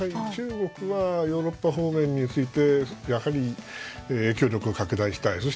中国はヨーロッパ方面についてやはり影響力を拡大したい。